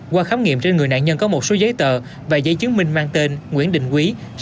qua khám nghiệm trên người nạn nhân có một số giấy tờ và giấy chứng minh mang tên nguyễn đình quý